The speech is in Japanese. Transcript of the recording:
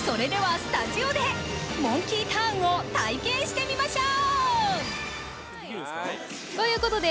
スタジオでモンキーターンを体験してみましょう。